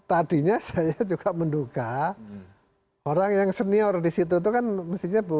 iya tadinya saya juga menduga orang yang senior di situ itu kan mestinya bu sri mulyani